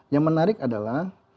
yang menarik adalah